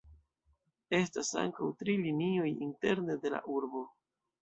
Estas ankaŭ tri linioj interne de la urbo.